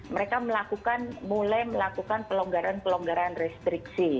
mereka melakukan mulai melakukan pelonggaran pelonggaran restriksi